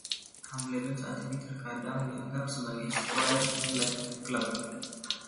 Hambledon saat ini terkadang dianggap sebagai "Squire Land's Club".